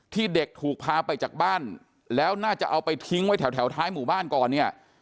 ที่เด็กถูกพาไปจากบ้านแล้วน่าจะเอาไปทิ้งไว้แถวท้ายหมู่บ้านก่อนเนี่ย